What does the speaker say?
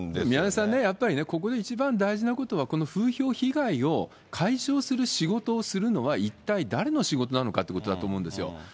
宮根さんね、やっぱりここで一番大事なことは、この風評被害を解消する仕事をするのは、一体誰の仕事なのかということだと思うんですよ。